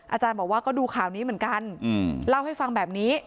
อาจารย์บอกว่าก็ดูข่าวนี้เหมือนกันเล่าให้ฟังแบบนี้